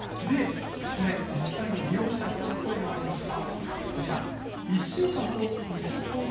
実際に利用した人の声もありました。